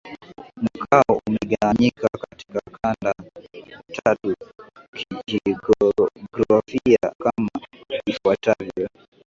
Mkoa umegawanyika katika kanda tatu kijiografia kama ifuatavyo